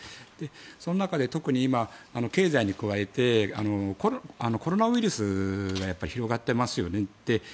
その中で特に今、経済に加えてコロナウイルスが広がっていますよね。